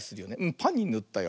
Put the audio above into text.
パンにぬったよ。